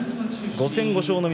５戦５勝の翠